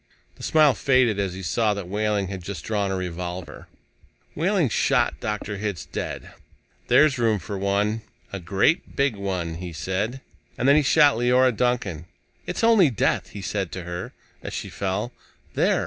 The smile faded as he saw that Wehling had just drawn a revolver. Wehling shot Dr. Hitz dead. "There's room for one a great big one," he said. And then he shot Leora Duncan. "It's only death," he said to her as she fell. "There!